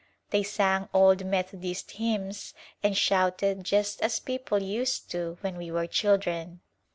They sang old Methodist hymns and shouted just as people used to when we were children.